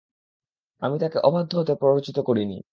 আমি তাকে অবাধ্য হতে প্ররোচিত করিনি।